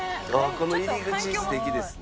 この入り口素敵ですね。